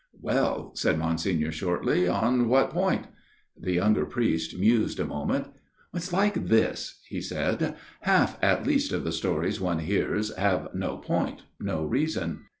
" Well," said Monsignor shortly, " on what point ?" The younger priest mused a moment. " It is like this," he said. " Half at least of the stories one hears have no point no reason.